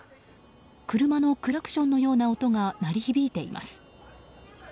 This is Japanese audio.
車のクラクションのような音が鳴り響いています。